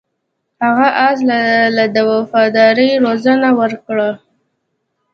هغه اس ته د وفادارۍ روزنه ورکړه.